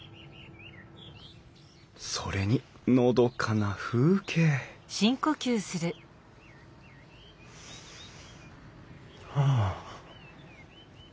それにのどかな風景はあ。